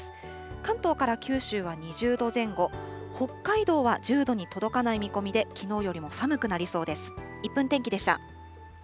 関東から九州は２０度前後、北海道は１０度に届かない見込みで、きのうよりも寒くなりそうです。